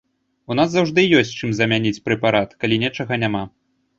У нас заўжды ёсць, чым замяніць прэпарат, калі нечага няма.